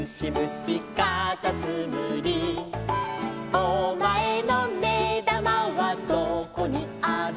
「お前のめだまはどこにある」